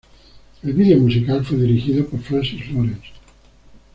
El video musical fue dirigido por Francis Lawrence.